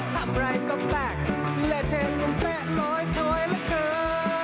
ถ้าหมาก็แปลกและเส้นผมเจ๊หรอยและเพิล